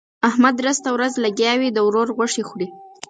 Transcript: احمد درسته ورځ لګيا وي؛ د ورور غوښې خوري.